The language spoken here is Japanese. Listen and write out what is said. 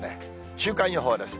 週間予報です。